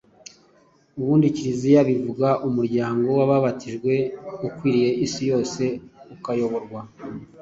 Ubundi Kiliziya bivuga umuryango w'ababatijwe ukwiriye isi yose ukayoborwa